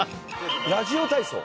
ラジオ体操。